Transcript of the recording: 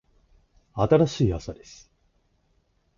新しい朝です。